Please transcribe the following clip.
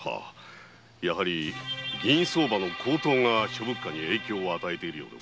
やはり銀相場の高騰が諸物価に影響を与えているようでございます。